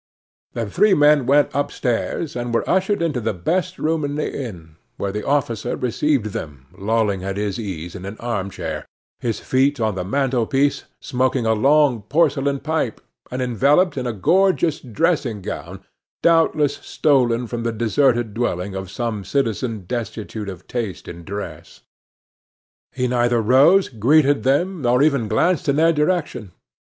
The three men went upstairs, and were ushered into the best room in the inn, where the officer received them lolling at his ease in an armchair, his feet on the mantelpiece, smoking a long porcelain pipe, and enveloped in a gorgeous dressing gown, doubtless stolen from the deserted dwelling of some citizen destitute of taste in dress. He neither rose, greeted them, nor even glanced in their direction.